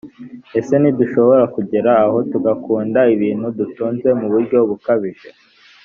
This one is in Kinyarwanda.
ese ntidushobora kugera aho tugakunda ibintu dutunze mu buryo bukabije?